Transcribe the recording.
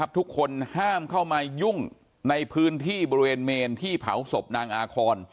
ทุกคนห้ามเข้ามายุ่งในพื้นที่บริเวณเมนที่เผาศพนางอาคอน